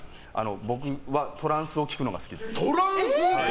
僕はトランスを聴くのが好きです。